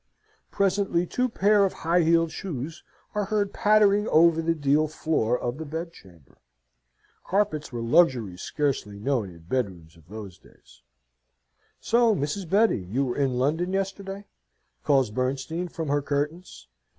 Presently, two pairs of high heeled shoes are heard pattering over the deal floor of the bedchamber. Carpets were luxuries scarcely known in bedrooms of those days. "So, Mrs. Betty, you were in London yesterday?" calls Bernstein from her curtains.